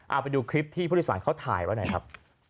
เอาไปดูคลิปที่ผู้โดยสารเขาถ่ายไว้หน่อยครับ